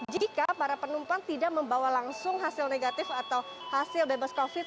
jika para penumpang tidak membawa langsung hasil negatif atau hasil bebas covid sembilan